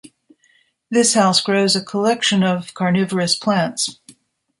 This house grows a collection of Carnivorous plants.